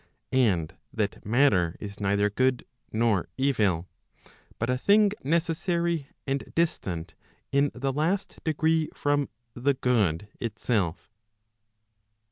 } And that matter is neither good nor evil, but a thing necessary, and distant in the last degree from the good itself.